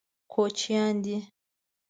کوچیان دي.